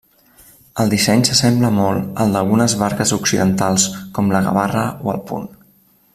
El disseny s'assembla molt al d'algunes barques occidentals com la gavarra o el punt.